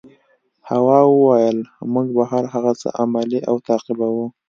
هوا وویل موږ به هر هغه څه عملي او تعقیبوو.